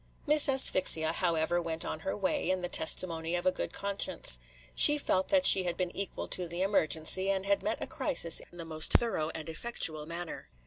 Miss Asphyxia, however, went on her way, in the testimony of a good conscience. She felt that she had been equal to the emergency, and had met a crisis in the most thorough and effectual manner.